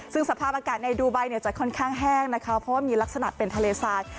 ซึ่งสภาพอากาศในดูไบเนี่ยจะค่อนข้างแห้งนะคะเพราะว่ามีลักษณะเป็นทะเลทราย